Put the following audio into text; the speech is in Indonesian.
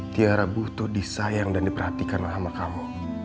tiara butuh disayang dan diperhatikan sama kamu